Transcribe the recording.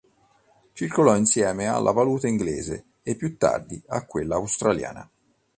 Circolò insieme alla valuta inglese e, più tardi, a quella australiana.